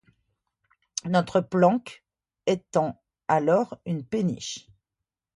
Notre planque étant alors une péniche.